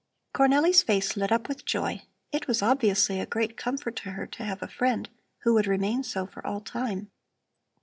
Cornelli's face lit up with joy. It was obviously a great comfort to her to have a friend who would remain so for all time.